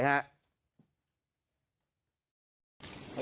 อาหญาติครับ